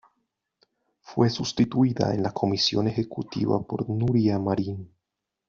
Fue sustituida en la Comisión Ejecutiva por Núria Marín.